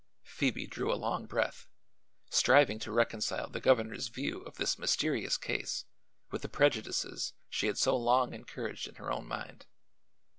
Phoebe drew a long breath, striving to reconcile the governor's view of this mysterious case with the prejudices she had so long encouraged in her own mind.